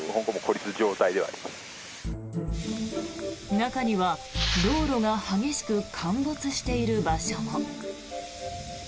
中には、道路が激しく陥没している場所も。